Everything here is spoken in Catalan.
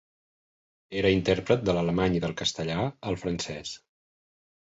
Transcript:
Era intèrpret de l'alemany i del castellà al francès.